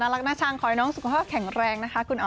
รักน่าชังขอให้น้องสุขภาพแข็งแรงนะคะคุณ